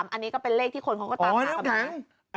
อันนี้ก็เป็นเลขที่คนเขาก็ตามมาทำอย่างนี้อ๋อน้ำน้ำ